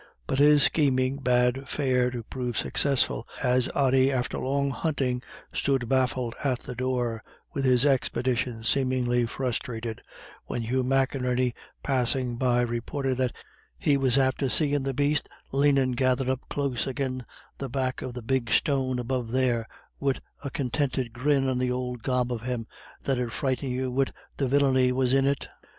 But his scheming bade fair to prove successful, as Ody after long hunting stood baffled at the door, with his expedition seemingly frustrated, when Hugh McInerney passing by reported that he "was after seein' the baste lanin' gathered up close agin the back of the big stone above there, wid a continted grin on the ould gob of him that 'ud frighten you wid the villiny was in it."